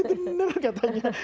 eh bener katanya